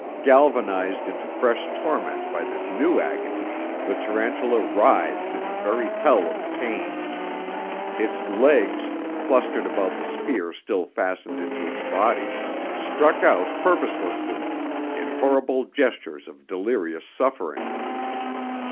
Galvanized into fresh torment by this new agony, the tarantula writhed in a very hell of pain. Its legs, clustered about the spear still fastened into its body, struck out purposelessly, in horrible gestures of delirious suffering.